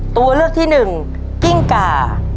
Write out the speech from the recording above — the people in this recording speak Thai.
ตัวเลือกที่หนึ่งกิ้งกา